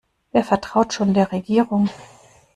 Wer vertraut schon der Regierung?